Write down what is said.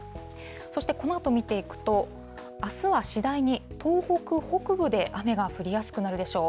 そして、このあと見ていくと、あすは次第に東北北部で雨が降りやすくなるでしょう。